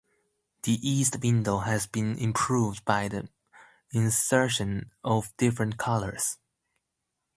The east window has been improved by the insertion of different colors.